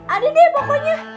ada deh pokoknya